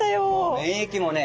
免疫もね